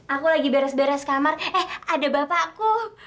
aku lagi beres beres kamar eh ada bapakku